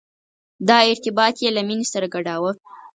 دا ارتباط یې له مینې سره ګډاوه.